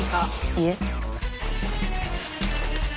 いえ。